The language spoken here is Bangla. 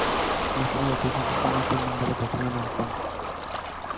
মৌসুমের অধিকাংশ সময়ই তিন নম্বরে ব্যাটিংয়ে নামতেন।